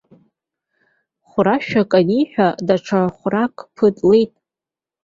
Хәрашәак аниҳәа, даҽа хәрак ԥыҭлеит.